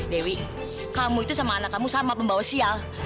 dewi kamu itu sama anak kamu sama pembawa sial